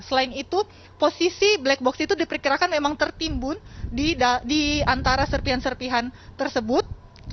selain itu posisi black box itu diperkirakan memang tertimbun di antara serpian serpihan tersebut